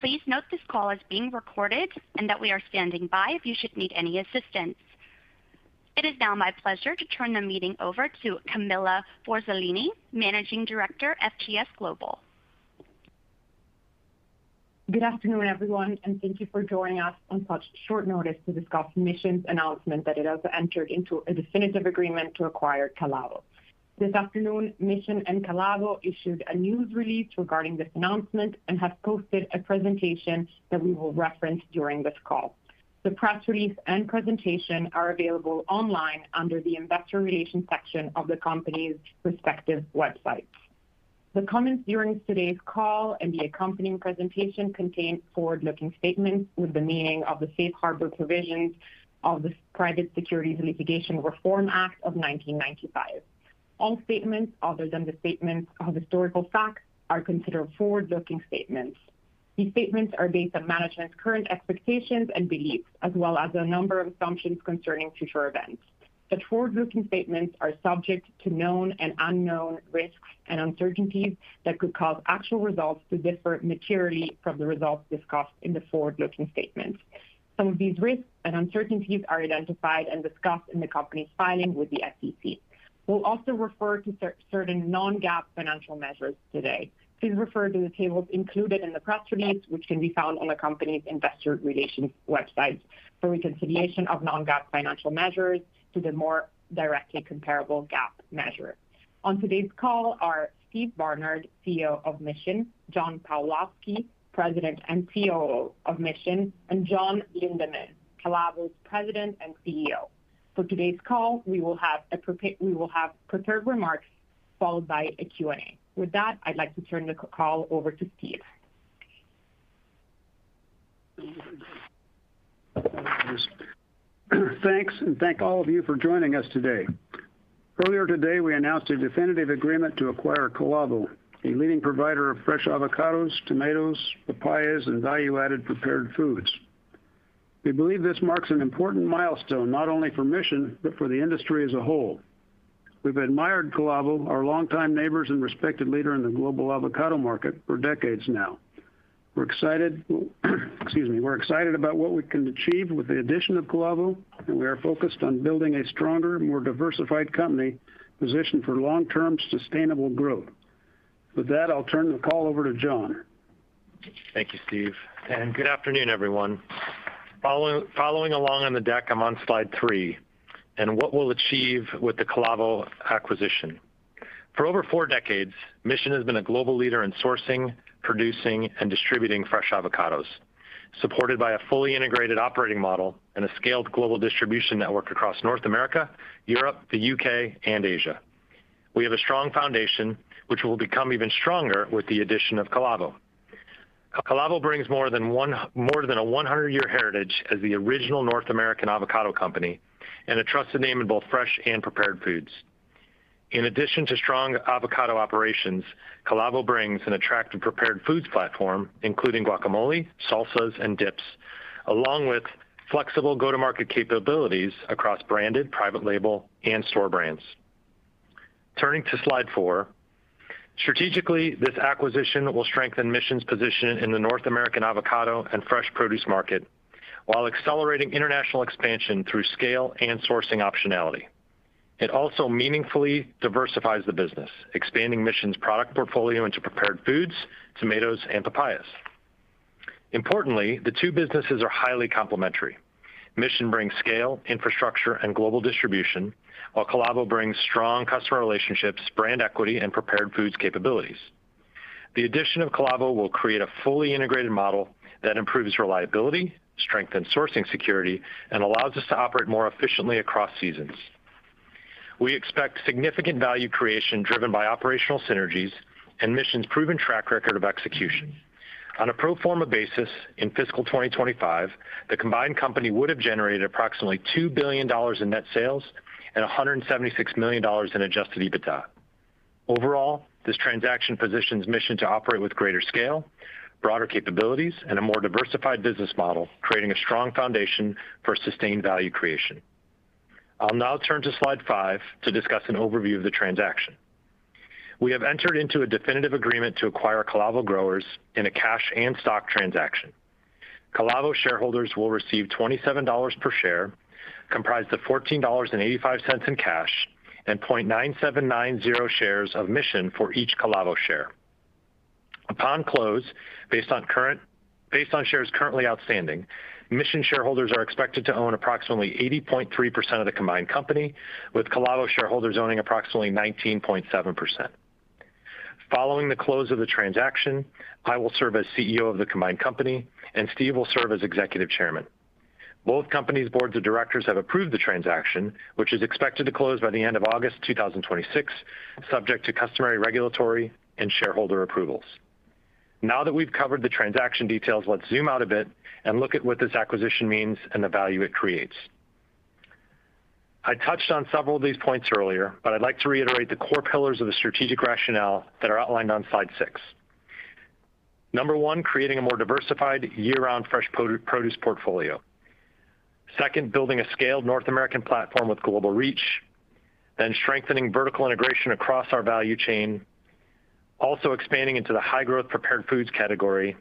Please note this call is being recorded and that we are standing by if you should need any assistance. It is now my pleasure to turn the meeting over Kami Forzalini, Managing Director, FGS Global. Good afternoon, everyone, and thank you for joining us on such short notice to discuss Mission's announcement that it has entered into a definitive agreement to acquire Calavo. This afternoon, Mission and Calavo issued a news release regarding this announcement and have posted a presentation that we will reference during this call. The press release and presentation are available online under the Investor Relations section of the company's respective websites. The comments during today's call and the accompanying presentation contain forward-looking statements with the meaning of the safe harbor provisions of the Private Securities Litigation Reform Act of 1995. All statements other than the statements of historical facts are considered forward-looking statements. These statements are based on management's current expectations and beliefs, as well as a number of assumptions concerning future events. Such forward-looking statements are subject to known and unknown risks and uncertainties that could cause actual results to differ materially from the results discussed in the forward-looking statements. Some of these risks and uncertainties are identified and discussed in the company's filing with the SEC. We'll also refer to certain non-GAAP financial measures today. Please refer to the tables included in the press release, which can be found on the company's Investor Relations website, for reconciliation of non-GAAP financial measures to the more directly comparable GAAP measure. On today's call are Steve Barnard, CEO of Mission; John Pawlowski, President and COO of Mission; and John Lindeman, Calavo's President and CEO. For today's call, we will have prepared remarks followed by a Q&A. With that, I'd like to turn the call over to Steve. Thanks, and thank all of you for joining us today. Earlier today, we announced a definitive agreement to acquire Calavo, a leading provider of fresh avocados, tomatoes, papayas, and value-added prepared foods. We believe this marks an important milestone not only for Mission but for the industry as a whole. We've admired Calavo, our longtime neighbors and respected leader in the global avocado market for decades now. We're excited, excuse me, we're excited about what we can achieve with the addition of Calavo, and we are focused on building a stronger, more diversified company positioned for long-term sustainable growth. With that, I'll turn the call over to John. Thank you, Steve, and good afternoon, everyone. Following along on the deck, I'm on slide three, and what we'll achieve with the Calavo acquisition. For over four decades, Mission has been a global leader in sourcing, producing, and distributing fresh avocados, supported by a fully integrated operating model and a scaled global distribution network across North America, Europe, the U.K., and Asia. We have a strong foundation, which will become even stronger with the addition of Calavo. Calavo brings more than a 100-year heritage as the original North American avocado company and a trusted name in both fresh and prepared foods. In addition to strong avocado operations, Calavo brings an attractive prepared foods platform, including guacamole, salsas, and dips, along with flexible go-to-market capabilities across branded, private label, and store brands. Turning to slide four, strategically, this acquisition will strengthen Mission's position in the North American avocado and fresh produce market while accelerating international expansion through scale and sourcing optionality. It also meaningfully diversifies the business, expanding Mission's product portfolio into prepared foods, tomatoes, and papayas. Importantly, the two businesses are highly complementary. Mission brings scale, infrastructure, and global distribution, while Calavo brings strong customer relationships, brand equity, and prepared foods capabilities. The addition of Calavo will create a fully integrated model that improves reliability, strengthens sourcing security, and allows us to operate more efficiently across seasons. We expect significant value creation driven by operational synergies and Mission's proven track record of execution. On a pro forma basis, in fiscal 2025, the combined company would have generated approximately $2 billion in net sales and $176 million in adjusted EBITDA. Overall, this transaction positions Mission to operate with greater scale, broader capabilities, and a more diversified business model, creating a strong foundation for sustained value creation. I'll now turn to slide five to discuss an overview of the transaction. We have entered into a definitive agreement to acquire Calavo Growers in a cash and stock transaction. Calavo shareholders will receive $27 per share, comprised of $14.85 in cash, and 0.9790 shares of Mission for each Calavo share. Upon close, based on shares currently outstanding, Mission shareholders are expected to own approximately 80.3% of the combined company, with Calavo shareholders owning approximately 19.7%. Following the close of the transaction, I will serve as CEO of the combined company, and Steve will serve as executive chairman. Both companies' boards of directors have approved the transaction, which is expected to close by the end of August 2026, subject to customary regulatory and shareholder approvals. Now that we've covered the transaction details, let's zoom out a bit and look at what this acquisition means and the value it creates. I touched on several of these points earlier, but I'd like to reiterate the core pillars of the strategic rationale that are outlined on slide six. Number one, creating a more diversified year-round fresh produce portfolio. Second, building a scaled North American platform with global reach, then strengthening vertical integration across our value chain, also expanding into the high-growth prepared foods category,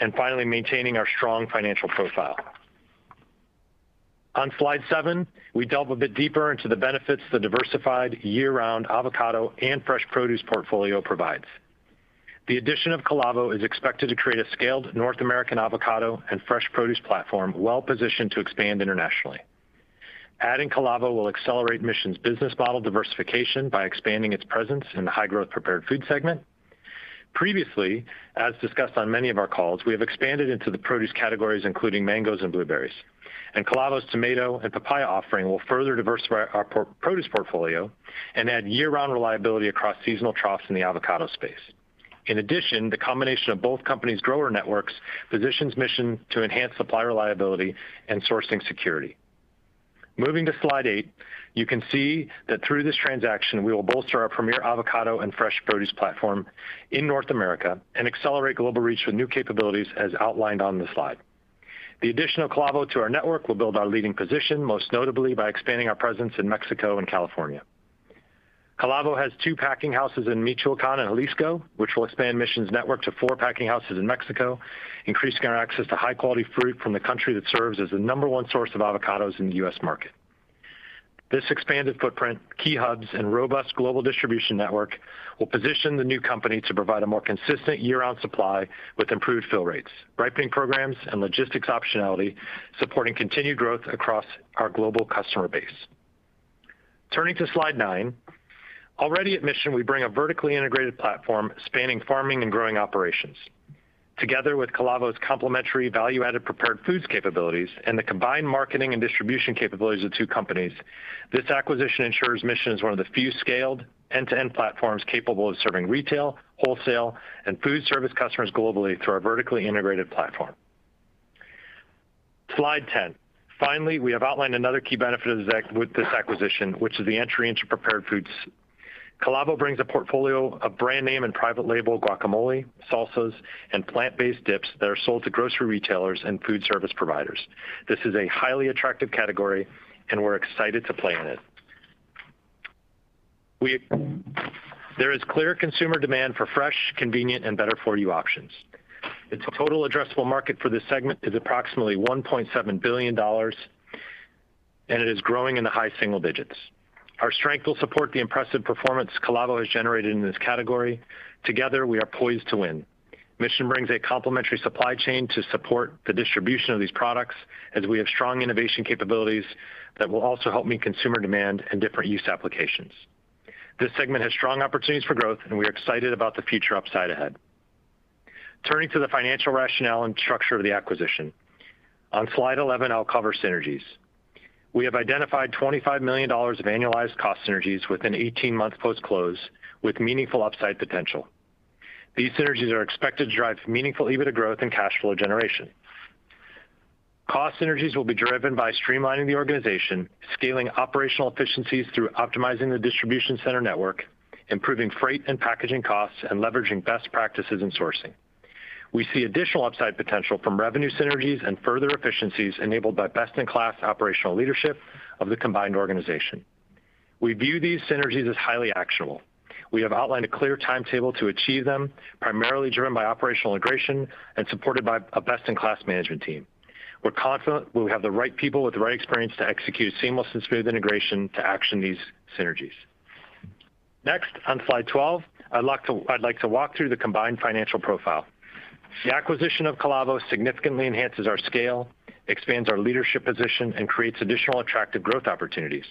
and finally, maintaining our strong financial profile. On slide seven, we delve a bit deeper into the benefits the diversified year-round avocado and fresh produce portfolio provides. The addition of Calavo is expected to create a scaled North American avocado and fresh produce platform well-positioned to expand internationally. Adding Calavo will accelerate Mission's business model diversification by expanding its presence in the high-growth prepared foods segment. Previously, as discussed on many of our calls, we have expanded into the produce categories, including mangoes and blueberries, and Calavo's tomato and papaya offering will further diversify our produce portfolio and add year-round reliability across seasonal troughs in the avocado space. In addition, the combination of both companies' grower networks positions Mission to enhance supply reliability and sourcing security. Moving to slide eight, you can see that through this transaction, we will bolster our premier avocado and fresh produce platform in North America and accelerate global reach with new capabilities as outlined on the slide. The addition of Calavo to our network will build our leading position, most notably by expanding our presence in Mexico and California. Calavo has two packing houses in Michoacán and Jalisco, which will expand Mission's network to four packing houses in Mexico, increasing our access to high-quality fruit from the country that serves as the number one source of avocados in the U.S. market. This expanded footprint, key hubs, and robust global distribution network will position the new company to provide a more consistent year-round supply with improved fill rates, ripening programs, and logistics optionality, supporting continued growth across our global customer base. Turning to slide nine, already at Mission, we bring a vertically integrated platform spanning farming and growing operations. Together with Calavo's complementary value-added prepared foods capabilities and the combined marketing and distribution capabilities of two companies, this acquisition ensures Mission is one of the few scaled end-to-end platforms capable of serving retail, wholesale, and food service customers globally through our vertically integrated platform. Slide 10. Finally, we have outlined another key benefit of this acquisition, which is the entry into prepared foods. Calavo brings a portfolio of brand name and private label guacamole, salsas, and plant-based dips that are sold to grocery retailers and food service providers. This is a highly attractive category, and we're excited to play in it. There is clear consumer demand for fresh, convenient, and better-for-you options. The total addressable market for this segment is approximately $1.7 billion, and it is growing in the high single digits. Our strength will support the impressive performance Calavo has generated in this category. Together, we are poised to win. Mission brings a complementary supply chain to support the distribution of these products, as we have strong innovation capabilities that will also help meet consumer demand and different use applications. This segment has strong opportunities for growth, and we are excited about the future upside ahead. Turning to the financial rationale and structure of the acquisition, on slide 11, I'll cover synergies. We have identified $25 million of annualized cost synergies within 18 months post-close, with meaningful upside potential. These synergies are expected to drive meaningful EBITDA growth and cash flow generation. Cost synergies will be driven by streamlining the organization, scaling operational efficiencies through optimizing the distribution center network, improving freight and packaging costs, and leveraging best practices in sourcing. We see additional upside potential from revenue synergies and further efficiencies enabled by best-in-class operational leadership of the combined organization. We view these synergies as highly actionable. We have outlined a clear timetable to achieve them, primarily driven by operational integration and supported by a best-in-class management team. We're confident we have the right people with the right experience to execute seamless and smooth integration to action these synergies. Next, on slide 12, I'd like to walk through the combined financial profile. The acquisition of Calavo significantly enhances our scale, expands our leadership position, and creates additional attractive growth opportunities.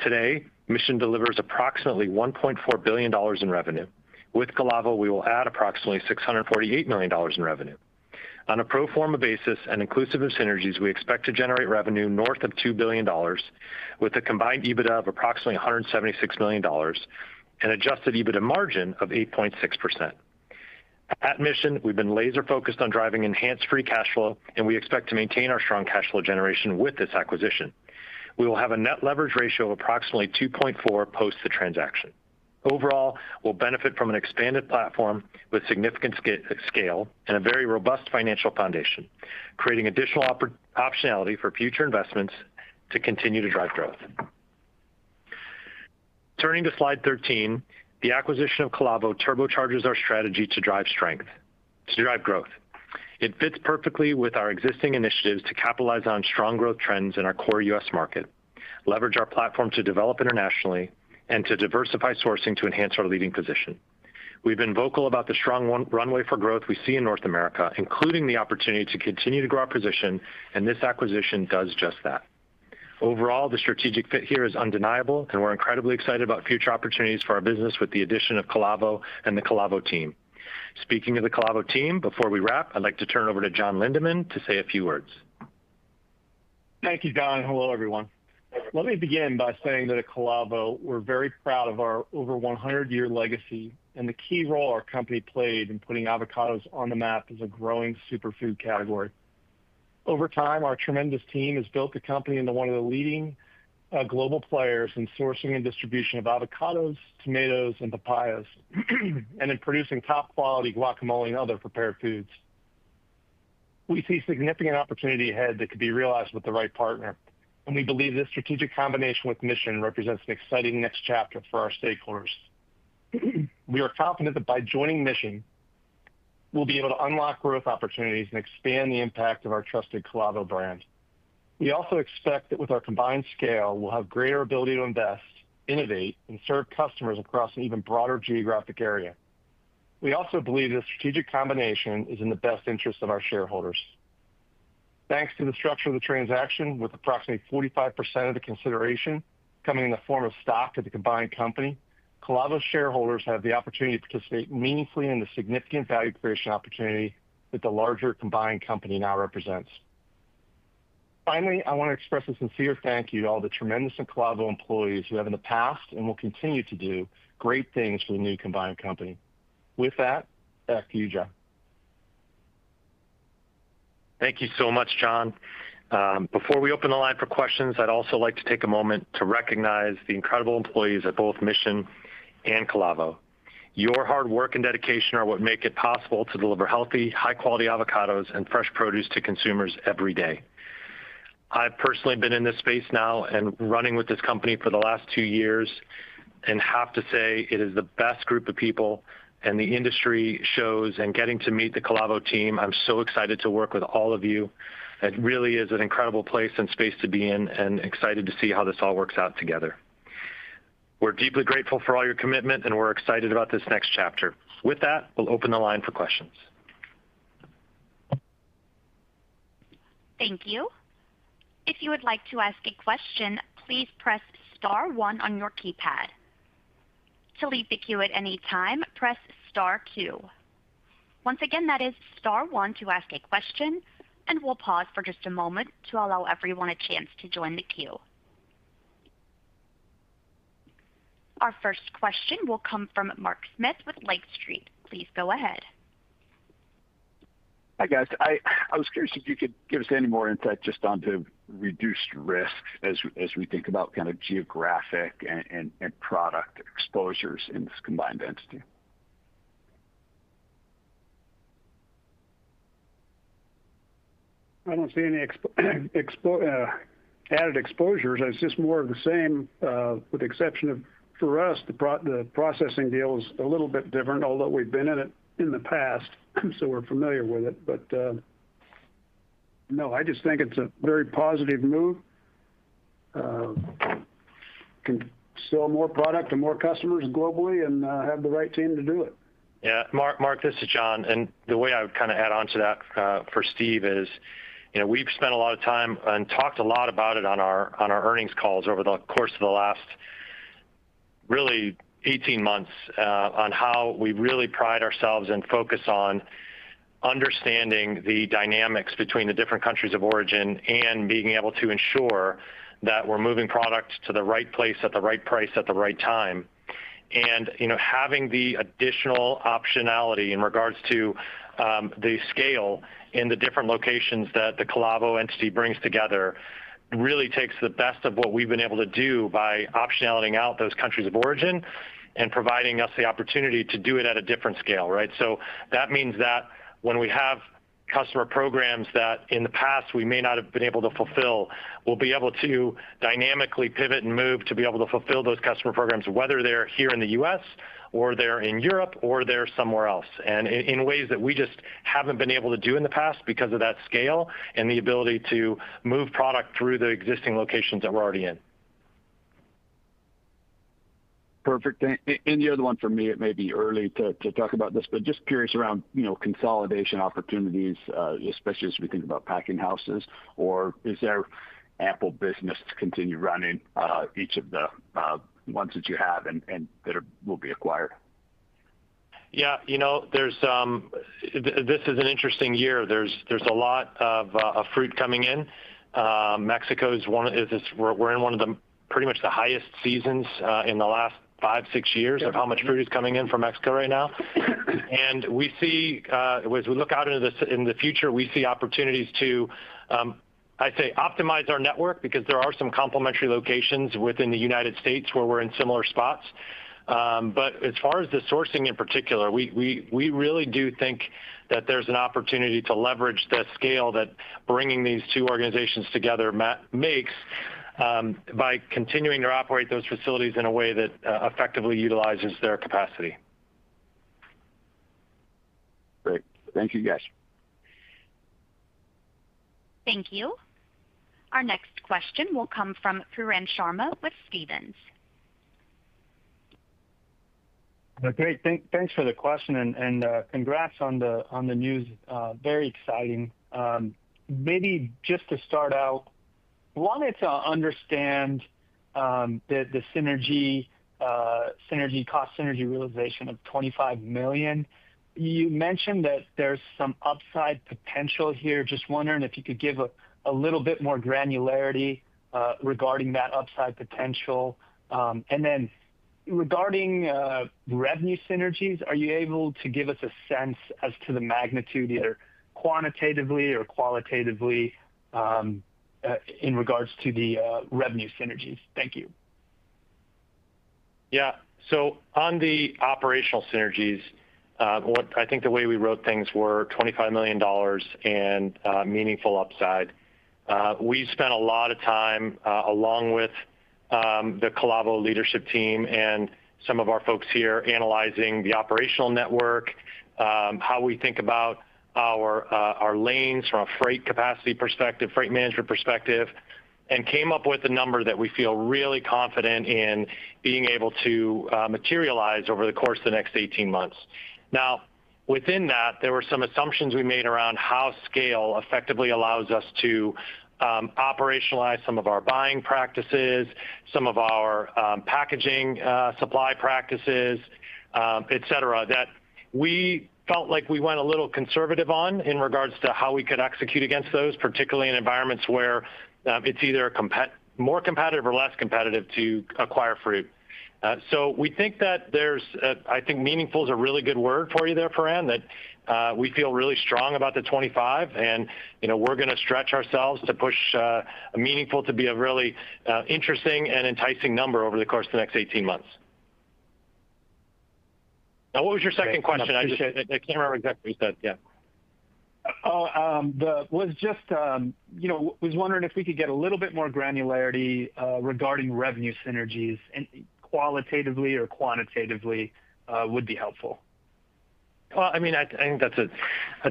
Today, Mission delivers approximately $1.4 billion in revenue. With Calavo, we will add approximately $648 million in revenue. On a pro forma basis and inclusive of synergies, we expect to generate revenue north of $2 billion, with a combined EBITDA of approximately $176 million and adjusted EBITDA margin of 8.6%. At Mission, we've been laser-focused on driving enhanced free cash flow, and we expect to maintain our strong cash flow generation with this acquisition. We will have a net leverage ratio of approximately 2.4 post the transaction. Overall, we'll benefit from an expanded platform with significant scale and a very robust financial foundation, creating additional optionality for future investments to continue to drive growth. Turning to slide 13, the acquisition of Calavo turbocharges our strategy to drive strength, to drive growth. It fits perfectly with our existing initiatives to capitalize on strong growth trends in our core U.S. market, leverage our platform to develop internationally, and to diversify sourcing to enhance our leading position. We've been vocal about the strong runway for growth we see in North America, including the opportunity to continue to grow our position, and this acquisition does just that. Overall, the strategic fit here is undeniable, and we're incredibly excited about future opportunities for our business with the addition of Calavo and the Calavo team. Speaking of the Calavo team, before we wrap, I'd like to turn it over to John Lindeman to say a few words. Thank you, John. Hello, everyone. Let me begin by saying that at Calavo, we're very proud of our over 100-year legacy and the key role our company played in putting avocados on the map as a growing superfood category. Over time, our tremendous team has built the company into one of the leading global players in sourcing and distribution of avocados, tomatoes, and papayas, and in producing top-quality guacamole and other prepared foods. We see significant opportunity ahead that could be realized with the right partner, and we believe this strategic combination with Mission represents an exciting next chapter for our stakeholders. We are confident that by joining Mission, we'll be able to unlock growth opportunities and expand the impact of our trusted Calavo brand. We also expect that with our combined scale, we'll have greater ability to invest, innovate, and serve customers across an even broader geographic area. We also believe this strategic combination is in the best interest of our shareholders. Thanks to the structure of the transaction, with approximately 45% of the consideration coming in the form of stock at the combined company, Calavo's shareholders have the opportunity to participate meaningfully in the significant value creation opportunity that the larger combined company now represents. Finally, I want to express a sincere thank you to all the tremendous Calavo employees who have in the past and will continue to do great things for the new combined company. With that, back to you, John. Thank you so much, John. Before we open the line for questions, I'd also like to take a moment to recognize the incredible employees at both Mission and Calavo. Your hard work and dedication are what make it possible to deliver healthy, high-quality avocados and fresh produce to consumers every day. I've personally been in this space now and running with this company for the last two years, and have to say it is the best group of people, and the industry shows and getting to meet the Calavo team. I'm so excited to work with all of you. It really is an incredible place and space to be in, and excited to see how this all works out together. We're deeply grateful for all your commitment, and we're excited about this next chapter. With that, we'll open the line for questions. Thank you. If you would like to ask a question, please press *1 on your keypad. To leave the queue at any time, press *2. Once again, that is *1 to ask a question, and we'll pause for just a moment to allow everyone a chance to join the queue. Our first question will come from Mark Smith with Lake Street. Please go ahead. Hi, guys. I was curious if you could give us any more insight just onto reduced risk as we think about kind of geographic and product exposures in this combined entity. I don't see any added exposures. It's just more of the same, with the exception of for us, the processing deal is a little bit different, although we've been in it in the past, so we're familiar with it. But no, I just think it's a very positive move. Can sell more product to more customers globally and have the right team to do it. Yeah. Mark, this is John, and the way I would kind of add on to that for Steve is we've spent a lot of time and talked a lot about it on our earnings calls over the course of the last really 18 months on how we really pride ourselves and focus on understanding the dynamics between the different countries of origin and being able to ensure that we're moving product to the right place at the right price at the right time, and having the additional optionality in regards to the scale in the different locations that the Calavo entity brings together really takes the best of what we've been able to do by optionality out those countries of origin and providing us the opportunity to do it at a different scale. So that means that when we have customer programs that in the past we may not have been able to fulfill, we'll be able to dynamically pivot and move to be able to fulfill those customer programs, whether they're here in the U.S. or they're in Europe or they're somewhere else, and in ways that we just haven't been able to do in the past because of that scale and the ability to move product through the existing locations that we're already in. Perfect. In the other one for me, it may be early to talk about this, but just curious around consolidation opportunities, especially as we think about packing houses, or is there ample business to continue running each of the ones that you have and that will be acquired? Yeah. This is an interesting year. There's a lot of fruit coming in. Mexico, we're in one of pretty much the highest seasons in the last five, six years of how much fruit is coming in from Mexico right now. And as we look out into the future, we see opportunities to, I'd say, optimize our network because there are some complementary locations within the United States where we're in similar spots. But as far as the sourcing in particular, we really do think that there's an opportunity to leverage the scale that bringing these two organizations together makes by continuing to operate those facilities in a way that effectively utilizes their capacity. Great. Thank you, guys. Thank you. Our next question will come from Pooran Sharma with Stephens. Great. Thanks for the question, and congrats on the news. Very exciting. Maybe just to start out, wanted to understand the synergy, cost synergy realization of $25 million. You mentioned that there's some upside potential here. Just wondering if you could give a little bit more granularity regarding that upside potential. And then regarding revenue synergies, are you able to give us a sense as to the magnitude, either quantitatively or qualitatively, in regards to the revenue synergies? Thank you. Yeah, so on the operational synergies, I think the way we wrote things were $25 million and meaningful upside. We spent a lot of time along with the Calavo leadership team and some of our folks here analyzing the operational network, how we think about our lanes from a freight capacity perspective, freight management perspective, and came up with a number that we feel really confident in being able to materialize over the course of the next 18 months. Now, within that, there were some assumptions we made around how scale effectively allows us to operationalize some of our buying practices, some of our packaging supply practices, etc., that we felt like we went a little conservative on in regards to how we could execute against those, particularly in environments where it's either more competitive or less competitive to acquire fruit. So we think that there's. I think meaningful is a really good word for you there, Farha, that we feel really strong about the 25, and we're going to stretch ourselves to push meaningful to be a really interesting and enticing number over the course of the next 18 months. Now, what was your second question? I can't remember exactly what you said. Yeah. Was just wondering if we could get a little bit more granularity regarding revenue synergies, and qualitatively or quantitatively would be helpful? I mean, I think that's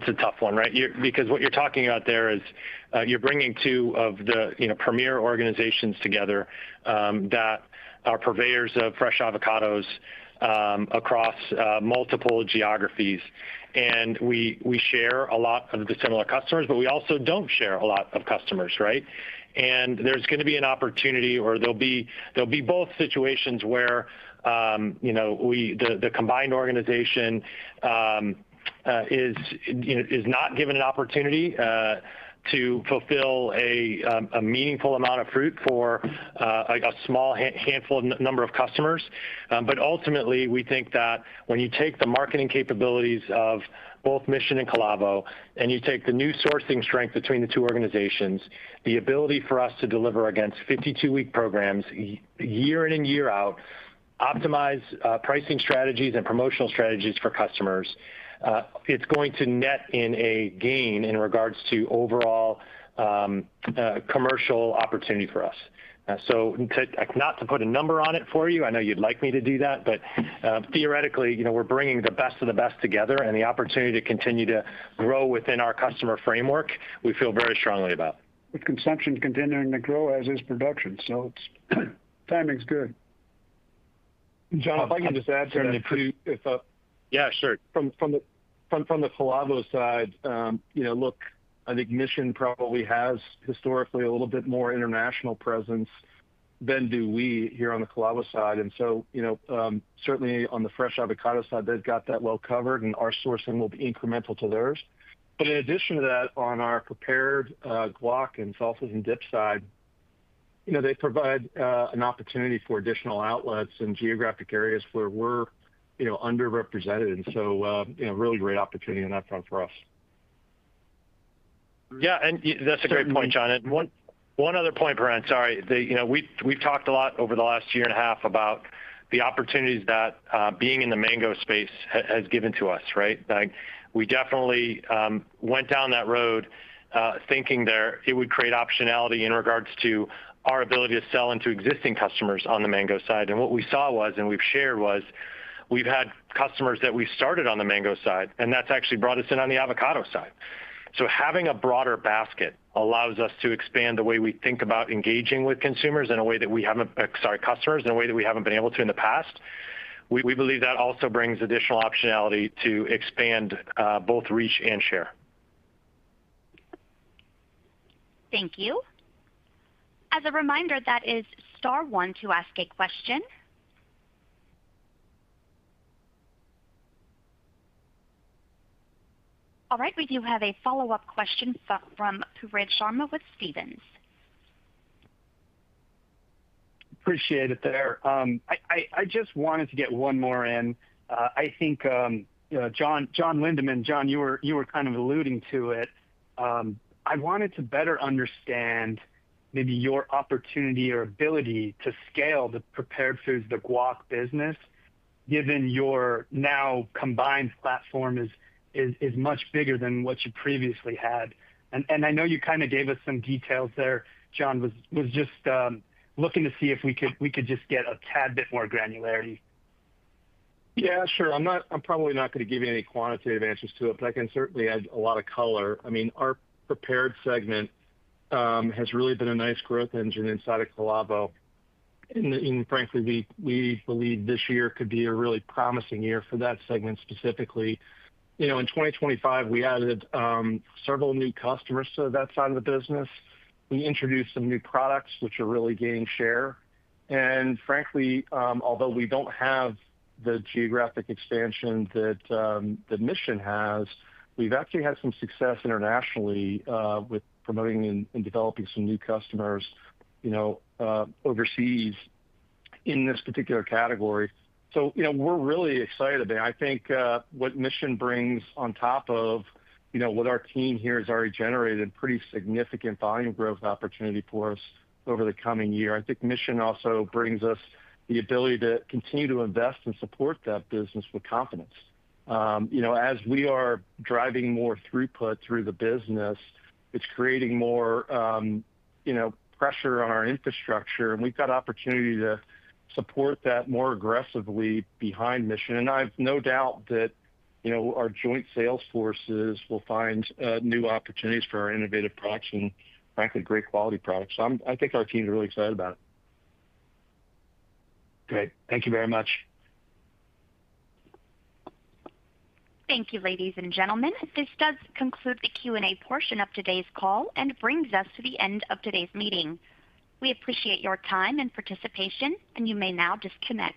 a tough one, right? Because what you're talking about there is you're bringing two of the premier organizations together that are purveyors of fresh avocados across multiple geographies, and we share a lot of the similar customers, but we also don't share a lot of customers, right, and there's going to be an opportunity, or there'll be both situations where the combined organization is not given an opportunity to fulfill a meaningful amount of fruit for a small handful number of customers. But ultimately, we think that when you take the marketing capabilities of both Mission and Calavo, and you take the new sourcing strength between the two organizations, the ability for us to deliver against 52-week programs, year in and year out, optimize pricing strategies and promotional strategies for customers, it's going to net in a gain in regards to overall commercial opportunity for us. So not to put a number on it for you, I know you'd like me to do that, but theoretically, we're bringing the best of the best together, and the opportunity to continue to grow within our customer framework, we feel very strongly about. With consumption continuing to grow as is production. So timing's good. John, if I can just add something too. Yeah, sure. From the Calavo side, look, I think Mission probably has historically a little bit more international presence than do we here on the Calavo side. And so certainly on the fresh avocado side, they've got that well covered, and our sourcing will be incremental to theirs. But in addition to that, on our prepared guac and salsas and dips side, they provide an opportunity for additional outlets in geographic areas where we're underrepresented. And so really great opportunity on that front for us. Yeah. And that's a great point, John. And one other point, Pooran, sorry. We've talked a lot over the last year and a half about the opportunities that being in the mango space has given to us, right? We definitely went down that road thinking there it would create optionality in regards to our ability to sell into existing customers on the mango side. And what we saw was, and we've shared, was we've had customers that we've started on the mango side, and that's actually brought us in on the avocado side. So having a broader basket allows us to expand the way we think about engaging with consumers in a way that we haven't sorry, customers in a way that we haven't been able to in the past. We believe that also brings additional optionality to expand both reach and share. Thank you. As a reminder, that is *1 to ask a question. All right. We do have a follow-up question from Pooran Sharma with Stephens. Appreciate it there. I just wanted to get one more in. I think John, John Lindeman, John, you were kind of alluding to it. I wanted to better understand maybe your opportunity or ability to scale the prepared foods, the guac business, given your now combined platform is much bigger than what you previously had. And I know you kind of gave us some details there, John. I was just looking to see if we could just get a tad bit more granularity. Yeah, sure. I'm probably not going to give you any quantitative answers to it, but I can certainly add a lot of color. I mean, our prepared segment has really been a nice growth engine inside of Calavo. And frankly, we believe this year could be a really promising year for that segment specifically. In 2025, we added several new customers to that side of the business. We introduced some new products, which are really gaining share. And frankly, although we don't have the geographic expansion that the Mission has, we've actually had some success internationally with promoting and developing some new customers overseas in this particular category. So we're really excited. I think what Mission brings on top of what our team here has already generated, pretty significant volume growth opportunity for us over the coming year. I think Mission also brings us the ability to continue to invest and support that business with confidence. As we are driving more throughput through the business, it's creating more pressure on our infrastructure, and we've got opportunity to support that more aggressively behind Mission. And I have no doubt that our joint sales forces will find new opportunities for our innovative products and, frankly, great quality products. So I think our team is really excited about it. Great. Thank you very much. Thank you, ladies and gentlemen. This does conclude the Q&A portion of today's call and brings us to the end of today's meeting. We appreciate your time and participation, and you may now disconnect.